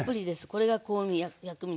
これが香味薬味